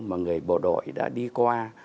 mà người bộ đội đã đi qua